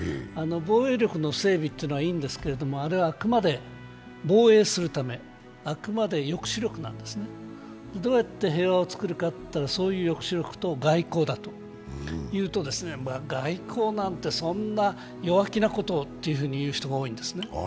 防衛力の整備というのはいいんですけれども、あれはあくまで防衛するためあくまで抑止力なんですね、どうやって平和を作るかといったらそういう抑止力と外交だと言うと、外交なんて、そんな弱気なことをって言う人がいるんですよね。